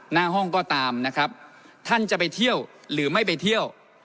หน้าห้องก็ตามนะครับท่านจะไปเที่ยวหรือไม่ไปเที่ยว